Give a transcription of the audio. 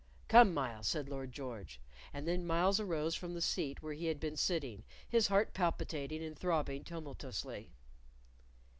"Come, Myles," said Lord George, and then Myles arose from the seat where he had been sitting, his heart palpitating and throbbing tumultuously.